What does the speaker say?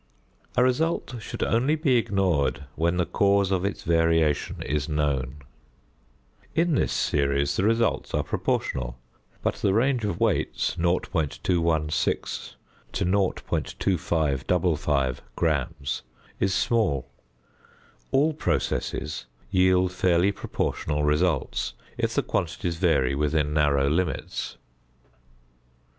A result should only be ignored when the cause of its variation is known. In this series the results are proportional, but the range of weights (0.216 0.2555 gram) is small. All processes yield fairly proportional results if the quantities vary within narrow limits.